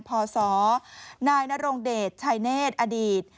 พศนายนรงเดชชายเนธอดีต